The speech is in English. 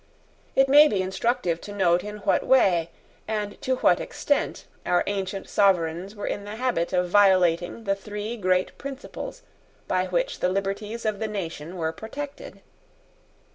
It may be instructive to note in what way, and to what extent, our ancient sovereigns were in the habit of violating the three great principles by which the liberties of the nation were protected.